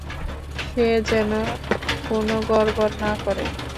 সে যেন কোনো গড়বড় না করে।